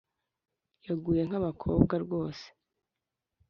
Yaguye nk’abakobwa rwose